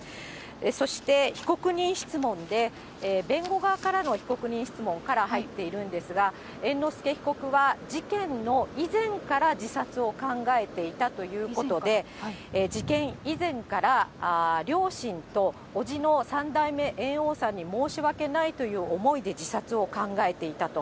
そして被告人質問で、弁護側からの被告人質問から入っているんですが、猿之助被告は、事件の以前から自殺を考えていたということで、事件以前から、両親と伯父の三代目猿翁さんに申し訳ないという思いで自殺を考えていたと。